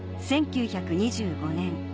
１９２５年